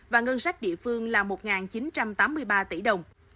và ngân sách địa phương là một chín trăm tám mươi ba tỷ đồng